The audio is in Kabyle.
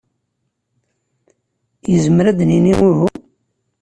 Yezmer ad d-nini uhu?